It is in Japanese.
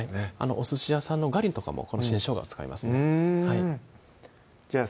おすし屋さんのガリとかもこの新生姜を使いますねうんじゃあ